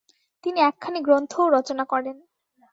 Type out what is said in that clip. তিনি একখানি গ্রন্থও রচনা করেন।